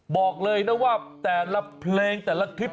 บอกเลยนะว่าแต่ละเพลงแต่ละคลิป